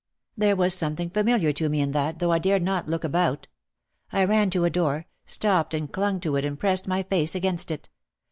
There was something familiar to me in that, though I dared not look about. I ran to a door, stopped and clung to it and pressed my face against it.